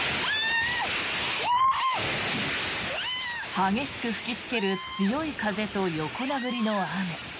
激しく吹きつける強い風と横殴りの雨。